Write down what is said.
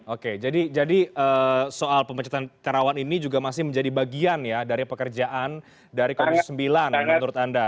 oke jadi soal pemecatan terawan ini juga masih menjadi bagian ya dari pekerjaan dari komisi sembilan menurut anda